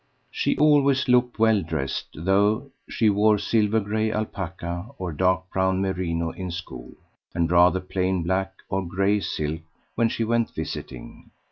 She always looked well dressed, though she wore silver gray alpaca or dark brown merino in school, and rather plain black or gray silk when she went visiting.